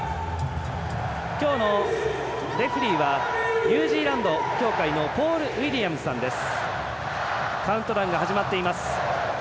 今日のレフリーはニュージーランド協会のポール・ウィリアムズさんです。